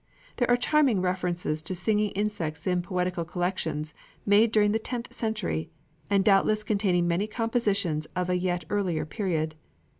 There are charming references to singing insects in poetical collections made during the tenth century, and doubtless containing many compositions of a yet earlier period.